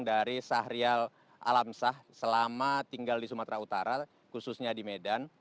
dari sahrial alamsah selama tinggal di sumatera utara khususnya di medan